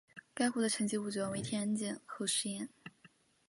该湖的沉积物主要为天然碱和石盐。